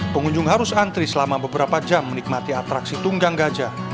pengunjung harus antri selama beberapa jam menikmati atraksi tunggang gajah